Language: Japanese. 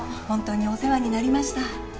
ホントにお世話になりました。